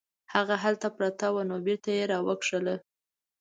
هغه هلته پرته وه نو بیرته یې راوکښله.